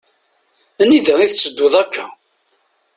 Anida i tetteduḍ akka?